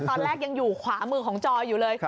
ตอนแรกยังอยู่ขวามือของจอยอยู่เลย